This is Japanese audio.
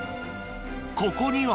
ここには